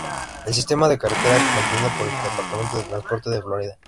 El sistema de carreteras es mantenido por el Departamento de Transporte de Florida.